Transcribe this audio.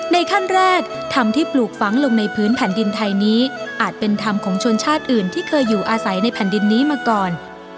ขั้นแรกธรรมที่ปลูกฝังลงในพื้นแผ่นดินไทยนี้อาจเป็นธรรมของชนชาติอื่นที่เคยอยู่อาศัยในแผ่นดินนี้มาก่อน